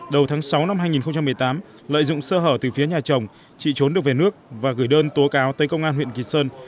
đầu tháng sáu năm hai nghìn một mươi tám lợi dụng sơ hở từ phía nhà chồng chị trốn được về nước và gửi đơn tố cáo tới công an huyện kỳ sơn